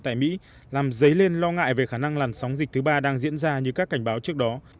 tại mỹ làm dấy lên lo ngại về khả năng làn sóng dịch thứ ba đang diễn ra như các cảnh báo trước đó